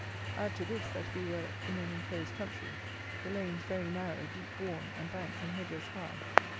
Add to this, that we were in an enclosed country, the lanes very narrow, deep worn, and banks and hedges high.